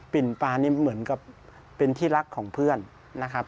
ปลานี่เหมือนกับเป็นที่รักของเพื่อนนะครับ